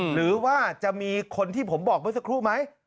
หรือว่าจะมีคนที่ผมบอกเมื่อสักครู่ไหม